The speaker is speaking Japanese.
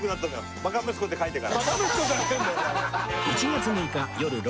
バカ息子って書いてから。